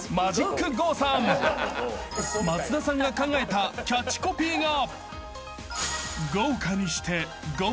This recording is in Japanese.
［松田さんが考えたキャッチコピーが］